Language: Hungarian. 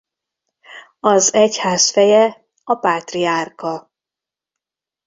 Az egyház feje a pátriárka.